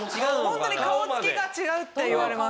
ホントに顔つきが違うって言われます。